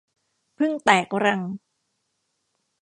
ผึ้งแตกรัง